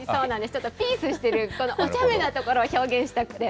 ちょっとピースしてるおちゃめなところを表現したくて。